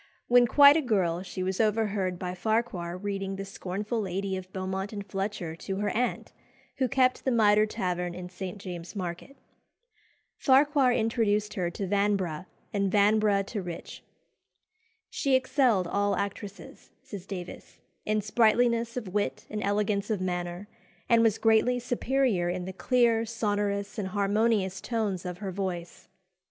When quite a girl she was overheard by Farquhar reading "The Scornful Lady" of Beaumont and Fletcher to her aunt, who kept the Mitre Tavern in St. James's Market. Farquhar introduced her to Vanbrugh, and Vanbrugh to Rich. "She excelled all actresses," says Davies, "in sprightliness of wit and elegance of manner, and was greatly superior in the clear, sonorous, and harmonious tones of her voice."